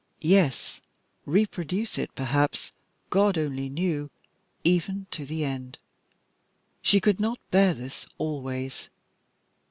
Yes, reproduce it, perhaps, God only knew, even to the end. She could not bear this always.